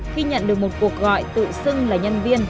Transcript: khi nhận được một cuộc gọi tự xưng là nhân viên